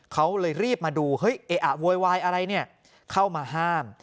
เขาเลยรีบมาดูเฮ้ยเอะอะโวยวายอะไรเนี่ยเข้ามาห้าม